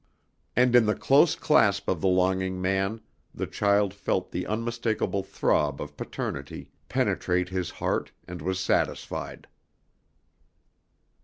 And in the close clasp of the longing man the child felt the unmistakable throb of paternity penetrate his heart and was satisfied.